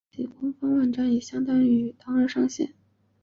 其官方网站也于当日上线。